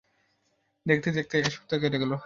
দেখতে-দেখতে এক সপ্তাহ কেটে গেল।